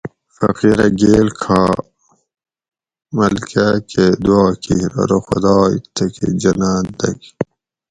فقیرہ گِیل کھا ملکا کہ دُعا کیر ارو خُداۓ تھکہ جناٞت دگ